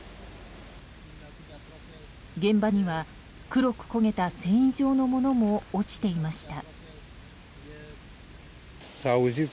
現場には、黒く焦げた繊維状のものも落ちていました。